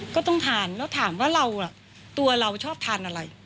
ก็ต้องทานแล้วถามว่าเราตัวเราชอบทานอะไร